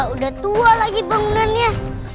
udah tua lagi bangunannya